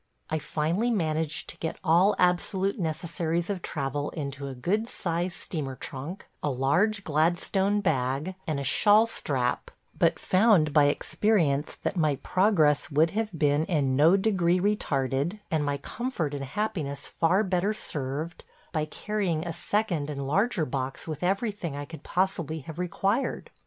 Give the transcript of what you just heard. I finally managed to get all absolute necessaries of travel into a good sized steamer trunk, a large Gladstone bag and a shawl strap, but found, by experience, that my progress would have been in no degree retarded, and my comfort and happiness far better served, by carrying a second and larger box with everything I could possibly have required.